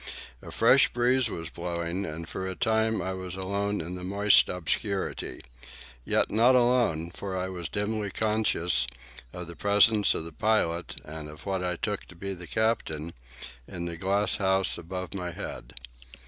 A fresh breeze was blowing, and for a time I was alone in the moist obscurity—yet not alone, for I was dimly conscious of the presence of the pilot, and of what I took to be the captain, in the glass house above my head.